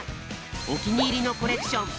おきにいりのコレクション